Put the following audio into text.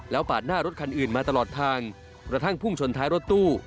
ปาดหน้ารถคันอื่นมาตลอดทางกระทั่งพุ่งชนท้ายรถตู้